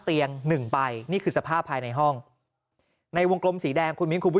เตียง๑ไปนี่คือสภาพภายในห้องในวงกลมสีแดงคุณคุณผู้